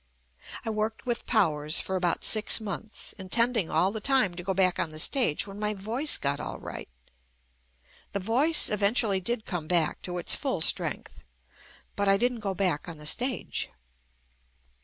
I worked with Powers for about six months, intending all the time to go back on the JUST ME stage when my voice got all right. The voice eventually did come back to its full strength, but I didn't go back on the stage.